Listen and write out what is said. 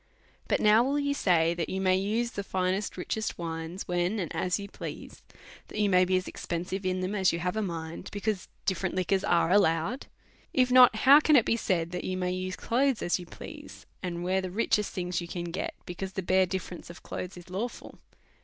But now will you say, that you may use the finest richest wines, when and as you please, that you may be as expensive in them as you have a mind, because different liquors are allowed ? If not, how can it be said that you may use clothes as you please, and wear the richest things you can get, because the bare dif ference of clothes is lawful